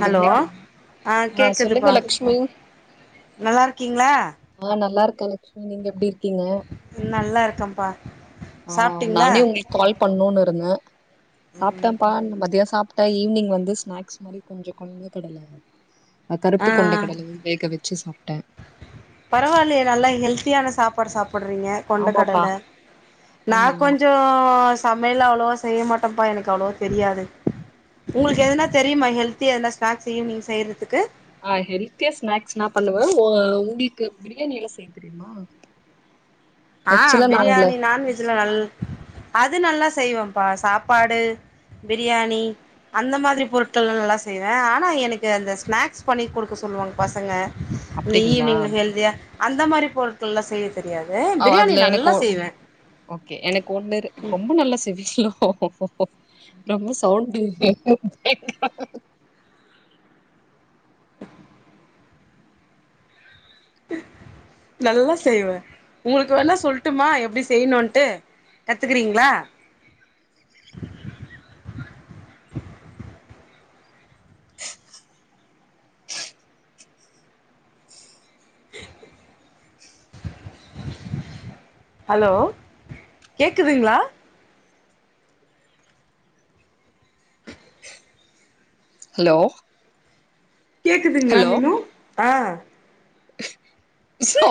hello ஆ சொல்லுங்க கேக்குதுப்பா லக்ஷ்மி நல்லா இருக்கீங்களா தலுக் ம் நீங் எப்டி இருக்கீங்க க்கம்பா ஆ நானே உங்குளுக் கால் பண்ணுன்னுருந் ட்டங்க சாப்புட்ட பா மதியோ சாப்பிட் ட்டே ஈவி்னிங் வந்து ஸ்நாக்ஸ் மாரி கொஞ்ச கொண்ட கடல அ ஆ கருப்பு கொண்டை கடலை வந்து வேக வெச்சு சாப்புட்டே பரவாலியே நல்லா ஹெல்த்தியான சாப் பாடு சாப் புடுறீங்க கொண்ட ஆமாப்பா கடல நா ஆமா ஆமா கொஞ்சோ மேல அவ்ளோவா செய்ய மாட்டாப்பா எனக்கு அவ்ளோ தெரியாது உங்குளுக்கு எதுனா தெரியுமா ஹெல்தியா எதுனா ஸ்நாக்ஸ் ஈவினிங் செய்யிறதுக்கு ஆ ஹெல்த்தியா ஸ்நாக்ஸ் என்னா பண்ணுவே ஓ உங்குளுக்கு பிரியாணி எல்லா செய் தெரிமா ஆ பிரியாணி நான் வெஜ்லா நல் அது நல்லாஸ் செய்வேம்பா சாப்பாடு பிரியாணி அந்த மாதிரி பொருட்கள்லா நல்லா செய்வே ஆனா எனக்கு அந்த ஸ்நாக்ஸ் பண்ணி குடுக்க சொல்லுவாங்க பசங்க நீ அப்டிங்களா ஈவினிங்ல ஹெல்தியா அந்த மாரி பொருட்கள்லா செய்ய தெரியாதேம் இல்ல எனக்கோ ஓகே எனக்கு ஒண்ணிர் ரொம்ப நல்ல சிவீஸ் ரொம்ப சவுண்ட் [unintelligible] நல்லா செய்வே உங்குளுக் வேணா சொல்லுட்டுமா எப்டி செய்யிணுன்ட்டு கத்துக்கிறீங்களா ஹலோ கேக்குதுங்களா ஹலோ கேக்குதுங்களா மீனு ஆ [inaudible] சா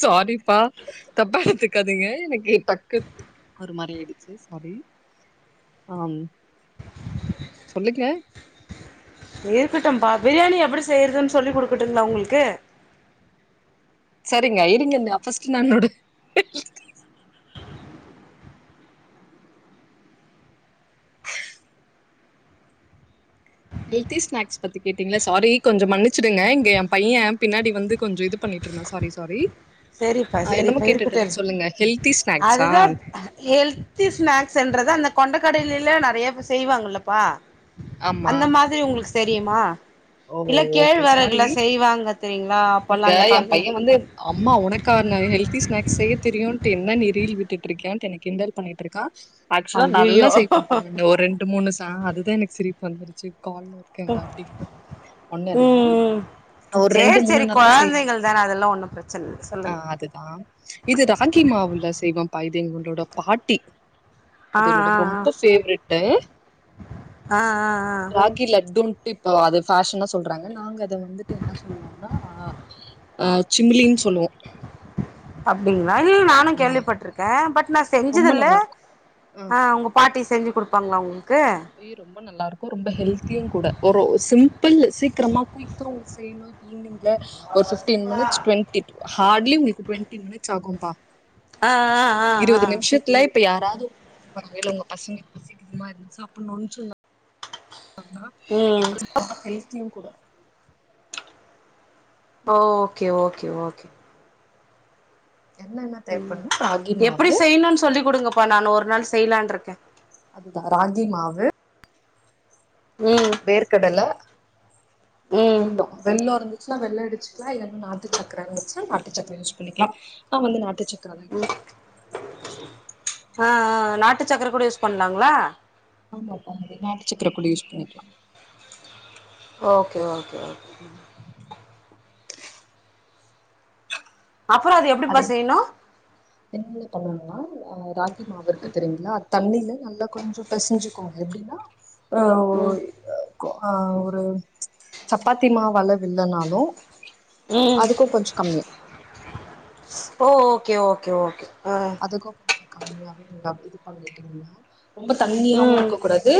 சாரி ப்பா தப்பாஎடுத் க்காதீங்க எனக்கு பக்கு ஒரு மாரி [unintelligible] சாரி ஆஹ் சொல்லுங்க இருக்கட்டும் பா பிரியாணி எப்படி செய்ரதுனு சொல்லிக் குடுக்கட்டுமா உங்களுக்கு சரிங்கஐரிங்கன்ன அஃபஸ்ட் நா என்னோட ஹெல்தி ஸ்நாக்ஸ் பத்தி கேட்டீங்கள சாரி கொஞ்சோ மன்னிச்சுடுங்க இங்க என் பைய பின்னாடி வந்து கொஞ்ச இது பண்ணிட்டு இருந்தா சாரி சாரி சரிப்பா ஆ என்னமோ சரிப்பா கேட்டுட்டு இருக்குட்டு இருந்தீங்க சொல்லுங்க ஹெல்தி ஸ்நாக்ஸா அதுதா ஹெல்தி ஸ்நாக்ஸ் என்றத அந்த கொண்டக்கடலல்ல நறைய செய்வாங்கல்லப்பா ஆமா அந்த மாதிரி உங்ளுக் தெரியுமா ஓ இல்ல கேழ் ஓகே வரகுல சாரி செய்வாங்க தெரியீங்களா அப்பல்லா அந்த காலத்துல அக்கா நா ஹெல்தி ஸ்நேக்ஸ் தெரியும்ன்ட்டு என்ன என்ன ரில்விட்டு இருக்கான்னு என கிண்டல் பண்ணிட்டுருக்கா ஆக்சுலா ஐயையோ நல்லா செய்வபா ஒரு ரெண்டு மூணு சா அதுதா எனக்கு சிரிப்பு வந்துரிச்சு கால்ல இருக்கண்டாதிரி ஒண்ணு ம் இல்ல ம் ஒரு ரெண்டு சேரி மூணு சேரி நாள்ல்லா செய்வ கொழந்தைகள் தான அதெல்லா ஒன்னு பிரச்சன இல்ல ஆ சொல்லுங்க அதுதா இது ராகி மாவுல செய்வோ ப இதுயும்கங்களோட பாட்டி ஆ அது என்னோட ஆ ஆ ரொம்ப ஃபேவரட்டு ஆ ஆ ஆ ராகி லட்டூ இப்ப அது ஃபேஷனா சொல்றாங்க நாங்க அத வந்துட்டு என்ன சொல்லுவோம்னா ச்சிமலின்னு சொல்லுவோ அப்டிங்ள [unintelligible] நானு ஆ கேள்விப்பட்ட்ருக்கே பட் நா ரொம்ப செஞ்சது இல்ல நல்லா இருக்கும் ஆ உங்க பாட்டி செஞ்சு கொடுப்பாங்களா உங்ளு ஐ ரொம்ப நல்லா இருக்கு ரொம்ப ஹெல்த்தியு கூட ஒரு சிம் இப்போல்ல சீக்கிரமா குவிக்கா ஒன்னு செய்னு ஈவினிங் ல ஒரு ஃபிஃப்டீன் மினிட்ஸ் டுவெண்டி ஹார்ட்லி உங்களுக்கு ட்வென் ஃபிஃப்டின் மினிட்ஸ் ஆகும் பா அ ஆ ஆஹ ஆஹா இப்ப யாராது [unintelligible] நூன்சுங்க ஆமா ம் [unintelligible] தீங் கூட ஓ ஓகே ஓகே ஓகே என்ன என்ன தேவ் பண்ணு ராகி மாவு ப்பா நான் ஒரு நாள் செய்யிலான் இருக்கே அதுதா ராகி மாவு ம் வேர்கடல ம் வெல்லோ வெல்லோ இருந்து க்சுலா வெள்ள அடிச்சுக்கலா இல்லன்னா நாட்டுச்சக்கர வெச்சு நாட்டுச்சக்கர யூஸ் பண்ணிக்கலாம் நா வந்து நாட்டுச்சக்கர தா யூஸ் அ ஆஹா நாட்டுச்சக்கர கூட யூஸ் பண்லாங்களா ஆமா பா நாட்டுச்சக்கர கூட யூஸ் பண்ணிக்கீளா ஓகே ஓகே ஓகே ம் உஹம் அப்றோ அது எப்டிப்பா அதை செய்யணு என்னன்ன பண்ணுனா அ ராகி மாவுருக்கு தெரியங்களா தம்மிலே நல்லா கொஞ்ச பெசஞ்சு கோ எப்டின்னா ஆ ம் ஓய் க்கோ ஆ ஒரு சப்பாத்தி மாவு அளவு இல்லனாலு ம் அதுக்கு கொஞ்சு கம்மி ஓ ஓகே ஓகே ஓகே ஆ அதுக்கும் கம்மியாவேண்ட இது பண்ணிட்டீங்னா ரொம்ப தண்ணியாவு ம் இருக்க கூடாது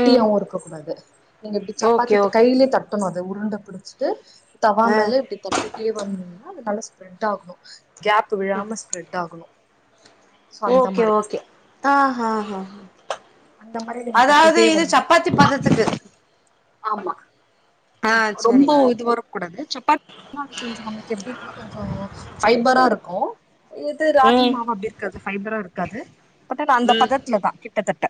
ம் இருக்க கூடாது நீங்க இப்பிடி ஓகே சப்பாத்திட் ஓகே கையிலே தட்டணு அது அத உருண்ட புடுச்சுட்டு தவா ஆ மேல இப்பிடி தப்பிட்டே வந் [unintelligible] ஸ்ப்ரெட்டாகு கேப்பு விழாமல் ஸ்ப்ரெட் ஆகுணு ஓகே ஓகே ஆ ஆஹ ஹா அந்த மாரி நீங்க அதாவுது தட்டிட்டே இது வந்து சப்பாத்தி பதத்துக்கு ஆமா ஆ ரொம்போ சரிங்க இது வரக் கூடாது சப்பாத்தி மாவு கொஞ்சு நம்ளுக்கு எப்டி இருக்குனா கொஞ்சோ ஃபைப்ரா இருக் க்கு இது ராகி ம் மாவ அப்டி இருக்காது ஃபைபரா இருக்கு கது பத்தானா அந்த ம் பதத்துல தா கிட்டத்தட்ட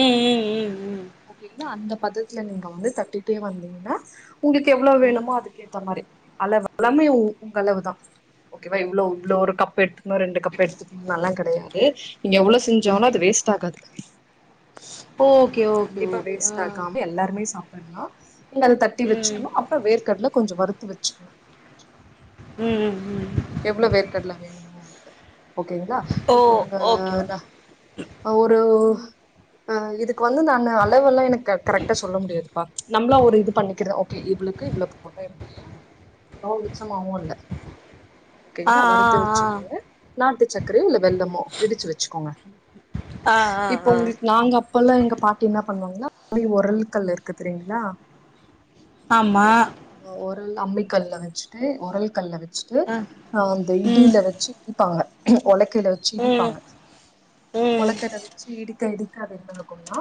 ம் ம் ம் ம் ஓகேங்ளா அந்த பதத்துல நீங்க வந்து தட்டி டியே வந்தீங்கன்னா உங்களுக்கு எவ்ளோவேணுமோ அது கேத்த மாரி அளவு எலாமே உங்களவுதா ஓகவா இவ்ளோ இவ்ளோ ஒரு கப் எடுத்துக்கணு ரெண்டு கப் எடுத்துக்கணுல்லா கெடையாது நீங்க எவ்ளவு செஞ்சாலு அது வேஸ்ட் ஆகாது ஓகே ஓகே ஓகே ஆ என்னா நீங்க அது ம் தட்டி ம் வச்சுக்கணு அப்புறோ வேர்கடல கொஞ்சோ வறுத்து வச்சு ம் ம் எவ்ளோ வேர்க்கடல வேணுமோ [inaudible] ஓகேங்களா ஓ இப்ப நீங்க ஓகே ந ஓகே ஒரு ஆ இதுக் எனக்கு வந்து நானு அளவு எல்லா எனக்கு கரெக்டா சொல்ல முடியாதுப்பா நம்மளா ஒரு இது பண்ணிக்கிற ஓகே இவளுக்கு இவ்ள போட்டா எப்டி இருக்கும் ரொம்ப மிச்சமாவு இல்ல ஆ ஓகேங்களா வறுத்து ஆ ஆ வச்சுக்கோங்க நாட்டு சக்கரையோ இல்ல வெள்ளமோ இடிச்சு வச்சுக்கோங்க ஆ ஆ இப்ப ஆ ஆ ஆ உங்களுக்கு நாங்க ப்ப எங்க பாட்டி என்ன பண்ணுவாங்கனா அம்மி உரல்கள்ளு இருக்குதெரிங்ளா ஆமா கல் அம்மிக்கல்ல வச்சுட்டு உரல் கல்ல வச் சுட்டு ஆ அ அந்த ம் இடியில வச்சு இடிப்பாங்க உலக்கைல வச்சு ம் இடிப்பாங்க ம் உலக்கையில வச்சு இடிக்க இடி அது எந்தளவு க்குனா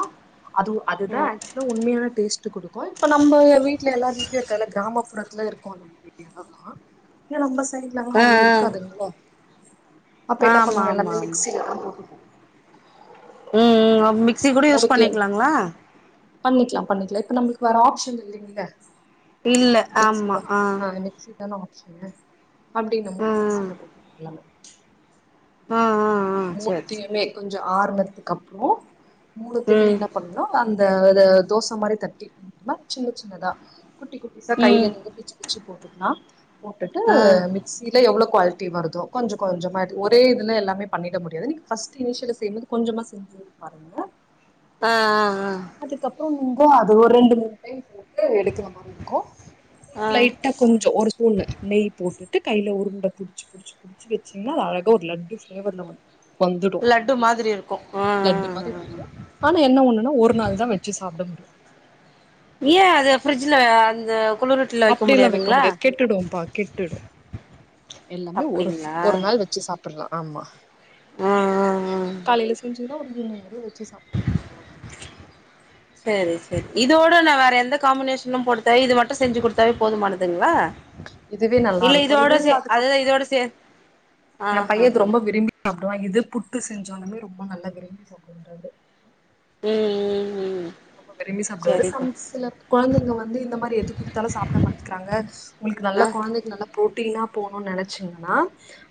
அதுவூ அதுதா ம் ஆக்சுவலா உண்மையானடேஸ்ட் ட்டு கொடுக்கு இப்ப நம்ம வீட்டுல எல்லார வீட்லய இருக்கல்ல கிராமப்புறத்துல இருக்கோ நம்ம வீட்லலா ந நம்ம சைடலங்க ஆ ஆ அவ்ளோ இருக்காதுங்ளோ அப்ப என்ன ஆமா பண்ணுவோ ஆமா ஆமா எல்லாமே மிக்சிலதான் போட்டுப்போ உம் உ சி கூட யூஸ் பண்ணிக்கலாங்களா பண்ணிக்கலாம் பண்ணிக்கலாம் இப்ப நம்மளுக்கு வேற ஆப்ஷன் இல்லைங்களா இல்ல ஆமா ஆஹ் ன ஆப்ஷன் [unintelligible] அப்படினும்போது மிக்சியில போட்டுக்கலாம் ஆஹ் ஹ் மூணத்தையுமே கொஞ்சம் ஆருனது அப்போ மூணத்துமே சேரி ம் என்ன பண்ணனும் அந்த அ த தோசை மாரி தட்டி பட் சின்ன சின்னதா குட்டி குட்ட சா கைில ம் நீங்க [unintelligible] பச்சுச்ச அச்ச போட்டுக்கலா [unintelligible] போட்டுட்டு ஆ மிக்சியில எவ்வளவு குவாலிட்டி வருதும் கொஞ்சம் கொஞ்சமா ஒரே இதுல எல்லாமே பண்ணிட முடியாது நீங்க ஃபர்ஸ்ட் இனிஷியலா கொஞ்சமா செஞ்சு பாருங்க ஆஹ் ஆஹ் அதுக்கப்புறம் [unintelligible] எடுக்கிற மாதிரி இருக்கும் ஆ லைட்டா கொஞ்சம் ஒரு ஸ்பூன் நெய் போட்டு ட்டு கையில உருண்டை புடிச்சு புடிச்சுடிச்சு வச்சீங்கன்னா அது அழக ஒரு லட்டு ஃளேவர்ல வந்து வந்துடும் லட்டு மாதிரி இருக்கு ஆ லட்டு மாதிரி ஆ ஆ வந்துடும் ஆனா என்ன ஒண்ணுன்னா ஒரு நால தான் வச்சு சாப்பிட முடியும் அ [unintelligible] அப்படியெல்லாம் வைக்க முடியாது கெட்டுடம்பா கெட்டுடும் எல்லாமே ஒரு அப்டிங்களா ஒரு நாள் வச்சு சாப்பிடலாம் ஆமா ஆ [unintelligible] ஆ ஆ காலையில செஞ்சீங்கன்னா உ இங்க [inaudible] ச்ச சாப்பிடலாம் [inaudible] சரி இதோட நான் வேற எந்த காம்பினேஷன் இன்னும் போடுத்தா இது ம [unintelligible] செஞ்சு கொடுத்தாவே போதுமானதுங்களா இதுவே நல்லா இல்ல இருக்கு இதோட சே அதுதான் இதோட சே ஆ என் ஹா பையன் இத ஹா ரொம்ப விரும்பி அப்பான் இது புட்டு செஞ்சோ அந்திரி ரொம்ப நல்ல விரும்பி சாப்பிடு வ அவரு ம்ம்ம் ரொம்ப விரும்பி சாப்பிடுவாரு ச சில குழந்தைங்க வந்து இந்த மாதிரி எது குடுத்தாலும் சாப்பிட மாட்டேங்கறாங்க உங்களுக்கு ஆ நல்ல குழந்தைங்க நல்ல அப்படின்னா போகணும்னு நினைச்சிங்கன்னா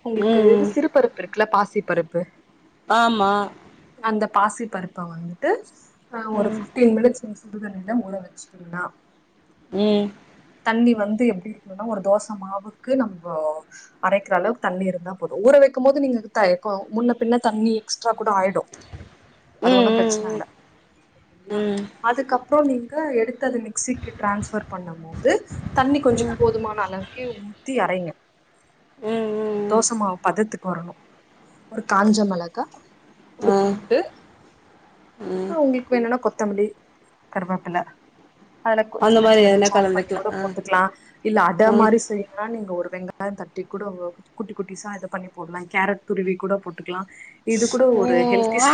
உங்ளுக்கு ம் ம் இது சிறுபருப்புருக்குல பாசி பருப்பு [unintelligible] ஆமா அந்த பாசி பருப்ப வந்துட்டு ஆஹ் ஒரு ம் பிப் [unintelligible] ம் தண்ணி வந்து எப்படி இருக்கனா ஒரு தோசை மாவுக்கு நம்ம அரைக்கிற அளவுக்கு தண்ணி இருந்தா போதும் ஊற வைக்கும் போது நீங்க த முன்ன பின்ன தண்ணி எக்ஸ்ட்ரா கூட ஆயிடும் அது ம் ஒண்ணும் பிரச்சனை ம் இல்ல ஓகேங்களா ம் ம் அதுக்கப்புறம் நீங்க எடுத்து அது மிக்ஸிக்கு டிரான்ஸ்பர் பண்ணும் தண்ணி கொஞ்சம் ம் போதுமான அளவுக்கே அறைங்க ம் ம் ம் தோசைமாவுபதத்துக்கு ஒரு காஞ்ச மிளகா ஆ ஒருபூண்டு ஆ ஆஹ உங்களுக்கு வேணன்னா கொத்த கொத்தமல்லி கரவேப்பில அதுல அந்த சின்ன மாரி சின்னதா எதுனா சாப் கலந்துக்கலா கூட ஆ போட்டுக்லாம் இல்ல அட ஆ மாரி செய்யன்னா நீங்க ஒரு வெங்காயம் தட்டி கூட குட்டி குட்டிசாை பண்ணி போடலாம் கேரட் துருவி கூட போட்டு ஓ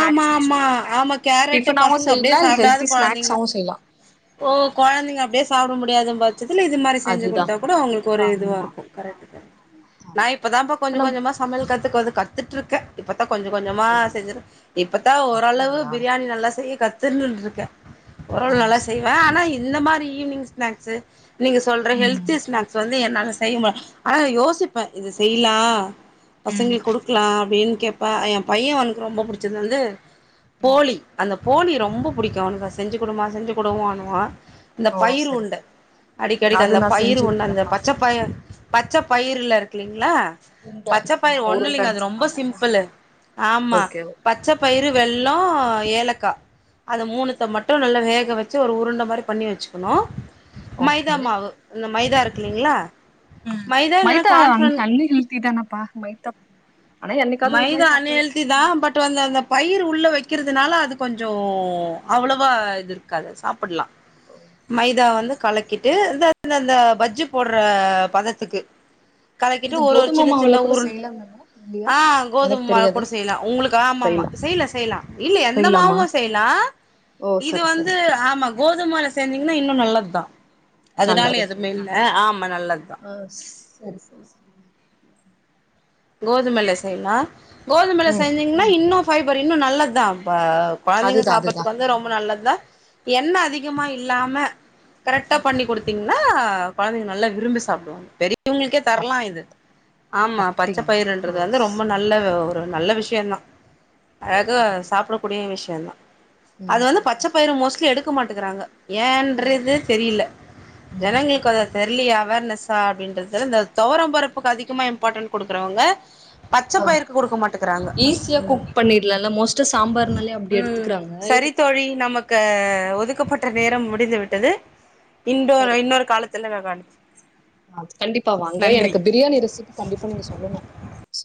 ஆமா ஆமா சொல்லலா ஆமா கேரட்டு் டிஃபனாவு பசங்க அப்டியே செய்யலா இல்ல சாப்டாது ஹெல்தி கொழந்தைங்க ஸ்நாக்ஸாவு செய்யலா ஓ கொழந்தைங்க அப்டியே சாப்ட முடியாது இது மாதிரி செஞ்சு அதுதா கொடுத்தா கூட உங்களுக்கு ஒரு இதுவா ஆமா ஆமா இருக்கும் ஆமா ஆமா நான் இப்பதான் கொஞ்சம் நம் கொஞ்சமா சமையல் கத்து க்கு வந்து கத்துட்ருக்கேன் கொஞ்சம் கொஞ்சமா அப்டிங்களா செஞ்சது இப்பத்தான் ஓரளவு அப்டிங்களா பிரியாணி நல்லா செய்ய கத்து திருநண்ட இருக்கேன் [unintelligible] ஓ ஓரளவு நல்லா சரி செய்வேன் ஆனா இந்த மாரி ஈவ்னிங் ஸ்நாக்ஸு நீங்க சொல்ற ம் ஹெல்தி ஸ்நாக்ஸ் வந்து என்னால செய்ய ஆனா யோசிப்பேன் இது செயிலாம் ம் பசங்ளுக்கு குடுக்கலாம் அப்டின்னு ப என் பையன் அவனுக்கு ரொம்ப புிடிச்சது வந்து ம் போலி அந்த போலிரொம்ப பிடிக்கும் அவனுக்கு செஞ்சு கொடுமா செஞ்சு என்பான் இந்த ஓ பயிர் சரி உருண்ட சரி அடிக்கடிக்கு அது அந்த நா பயிரு செஞ்சது உருண்டஅந்த இல்லப்பா பச்சை பயரு பச்சை பயிரல இருக்குலீங்களா உருண்ட ஆமா பச்சைப்பயறு ஒண்ணு இல்லைங்க உருண்டன்னு அது ரொம்ப சொல்லுவாங்க சிம்பிள் ஆமா ஓகே பச்சை பயிரு வெள்ளம் ஏலக்காய் அதை மூணுத்தை மட்டும் நல்லா வேக வச்சு ஒரு உருண்டை மாதிரி பண்ணி வச்சுக்கணும் மைதா ஓகே மாவு இந்த மைதா இருக்கு இல்லீங்களா ம் மைதா இல்லைன்னா கான்பிளர் பயத்தம் மைதா ஹன் ஹல்தி தான் பட் வந்தூ பயிர் உள்ளே வைக்கிறதுனால அது கொஞ்சம் அவ்வளோவா இது இருக்காது சாப்பிடலாம் மைதா வந்து கலக்கிட்டு இந்த அந்த பஜ்ஜு போடுற பதத்துக்கு கலக்கிட்டு இது ஒரு கோதுமை மாவுல கூட செய்யலாம் தானே இல்லையா எனக்கு கோதுமை மாலை தெரியாது கூட செய்யலாம் உங்களுக்கு ஆமா செய்யலா செய்யல செய்யலாம் இல்ல எந்த செய்யலாமா மாவும் செய்யலாம் ஓ இது சரி வந்து சரி ஆமா கோதுமைலை செஞ்சீங்கன்னா இன்னும் நல்லது தான் நல்ல அதனால எதுவுமே ரிசல்ட் இல்லை ஆமா நல்லதுதான் ஆ சரி சரி சரி கோதுமையில்ல செய்யலாம் கோதுமையில ம் செஞ்சீங்கன்னா இன்னும் ஃபைபர் இன்னும் நல்லத தா குழந்தைங்க அதுதா அதுதா சாப்படுறதுக்கு வந்து ரொம்ப நல்லது என அதிகமா இல்லாம கரெ்ட பி கொடுத்து செஞ்சியின்களா குழந்தைங்க நல்ல விரும்பி சாப்புடும் இவங்களுக்கே அப் தரலாம் இது ஆமா பச்சை அப்டிங்க பயிர் என்றது ஓ வந்து ரொம்ப நல்லது ஒரு நல்ல விஷயம் தான் ஓ அழக சரி சரி சாப்பிடக்கூடிய விஷயம் தெர்லா ம் அது வந்து ம் பச்ச பயிரு மோஸ்லி எடுக் க்க மாட்டேங்குறாங்க ஏன்றதே தெரியில்ல ம் ம் ஜனங்களுக்கு அது ம் தெரிலியா அவேர்னஸ் சா அப்டின்றது இந்த தொவரம் பருப்புக்கு அதிகமா இம்பார்டென்ட் குடுக்குறவங்க பச்ச ஆ பயிருக்கு குடுக்க மாட்டேக்குறாங்க ஈஸியா குக் பண்ணிடலால்ல மோஸ்ட்டா சாம்பார்னாலே அப்டி ம் எடுத்துக்கிறாங்க சேரி இதுக்கு தோழி நமக்கு ஒர் ஒதுக்கப்பட்ட நேரம் முடிந்து விட்டது இன்னொரு இன்னொரு காலத்துல நா கண்டு அ கண்டிப்பா வாங்க எனக்கு பிரியாணி ரெசிபி கண்டிப்பா நீங்க சொ சொல்லுங்க சேர்